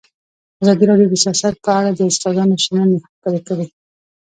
ازادي راډیو د سیاست په اړه د استادانو شننې خپرې کړي.